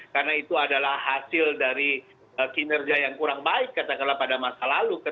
karena itu adalah hasil dari kinerja yang kurang baik katakanlah pada masa lalu